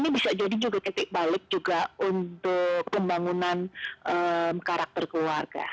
ini bisa jadi juga titik balik juga untuk pembangunan karakter keluarga